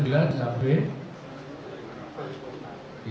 sembilan bulan sampai